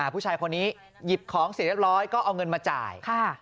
ผู้ชายคนนี้หยิบของเสร็จเรียบร้อยก็เอาเงินมาจ่าย